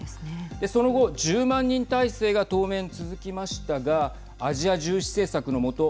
その後１０万人態勢が当面続きましたがアジア重視政策のもと